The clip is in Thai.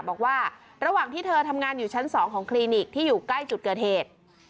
บอกว่าระหว่างที่เธอทำงานอยู่ชั้น๒ของคลินิกที่อยู่ใกล้จุดเกิดเหตุ